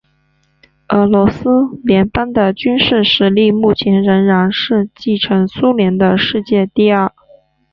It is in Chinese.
俄罗斯联邦的军事实力目前仍然是继承苏联的世界第二。